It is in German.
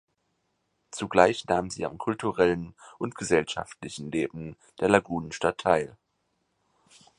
Zugleich nahm sie am kulturellen und gesellschaftlichen Leben der Lagunenstadt teil.